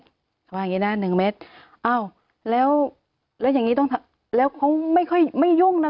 เขาว่าอย่างงี้นะหนึ่งเมตรอ้าวแล้วแล้วอย่างงี้ต้องทำแล้วเขาไม่ค่อยไม่ยุ่งนะ